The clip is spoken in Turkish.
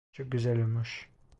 Çok güzel olmuş.